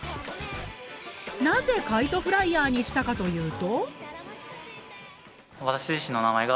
なぜカイトフライヤーにしたかというと。